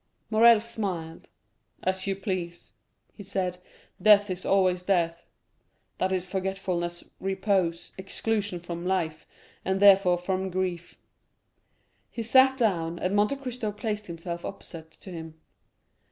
Morrel smiled. "As you please," he said; "death is always death,—that is forgetfulness, repose, exclusion from life, and therefore from grief." He sat down, and Monte Cristo placed himself opposite to him.